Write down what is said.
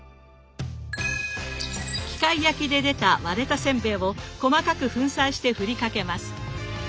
機械焼きで出た割れたせんべいを細かく粉砕してふりかけます。